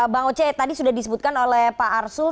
bang oce tadi sudah disebutkan oleh pak arsul